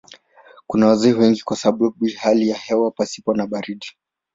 Kuna wazee wengi kwa sababu ya hali ya hewa pasipo na baridi.